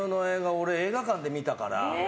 俺、映画館で見たから。